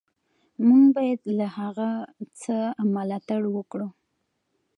موږ باید له هغه څه ملاتړ وکړو.